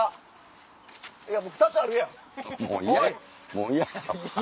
もう嫌や。